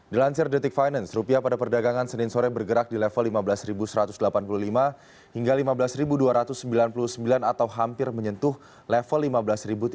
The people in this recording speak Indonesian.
dilansir detik finance pada perdagangan senin sore bergerak di level rp lima belas satu ratus delapan puluh lima hingga rp lima belas dua ratus sembilan puluh sembilan atau hampir menyentuh level rp lima belas tiga ratus